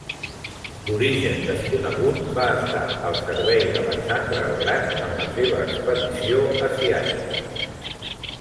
D'origen desconegut, va estar al servei d'Alexandre el Gran en la seva expedició asiàtica.